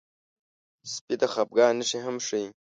سپي د خپګان نښې هم ښيي.